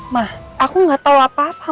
ma aku gak tau apa apa